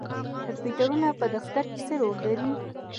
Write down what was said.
کمپیوټر په دفتر کې څه رول لري؟